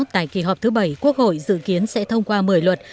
tại kỳ họp thứ bảy quốc hội dự kiến sẽ thông qua một mươi luật